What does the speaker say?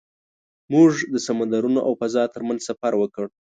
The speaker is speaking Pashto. موږ د سمندرونو او فضا تر منځ سفر وکړ.